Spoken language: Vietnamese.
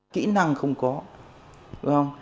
kỹ năng không có đúng không